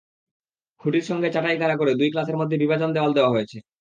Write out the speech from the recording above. খুঁটির সঙ্গে চাটাই খাড়া করে দুই ক্লাসের মধ্যে বিভাজন দেয়াল দেওয়া হয়েছে।